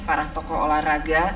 para tokoh olahraga